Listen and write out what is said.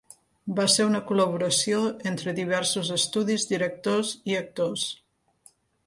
Va ser una col·laboració entre diversos estudis, directors i actors.